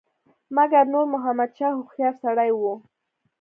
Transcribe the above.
مګر نور محمد شاه هوښیار سړی وو.